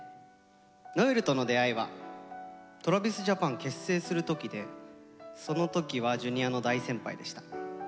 如恵留との出会いはＴｒａｖｉｓＪａｐａｎ結成する時でその時はＪｒ．の大先輩でした。